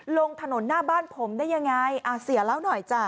ลงถนนหน้าบ้านผมได้ยังไงเสียแล้วหน่อยจ้ะ